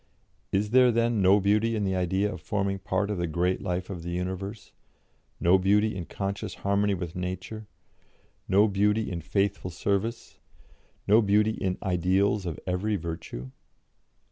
Is there, then, no beauty in the idea of forming part of the great life of the universe, no beauty in conscious harmony with Nature, no beauty in faithful service, no beauty in ideals of every virtue?